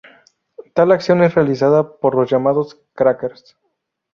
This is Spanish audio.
Tal acción es realizada por los llamados crackers.